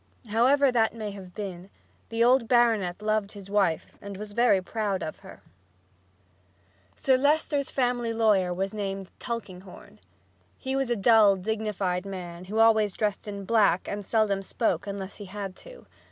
However that may have been, the old baronet loved his wife and was very proud of her. Sir Leicester's family lawyer was named Tulkinghorn. He was a dull, dignified man who always dressed in black and seldom spoke unless he had to.